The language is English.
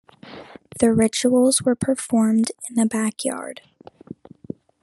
The rituals were performed in the backyard.